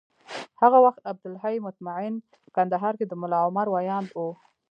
هغه وخت عبدالحی مطمین کندهار کي د ملا عمر ویاند و